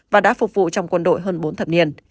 và đã phục vụ trong quân đội hơn bốn thập niên